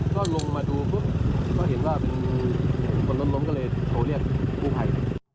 ก็ลงมาดูปุ๊บก็เห็นว่าเป็นคนล้มก็เลยโทรเรียกกู้ภัย